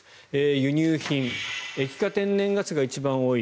輸入品液化天然ガスが一番多い。